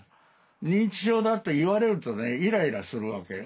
認知症だと言われるとねイライラするわけよ。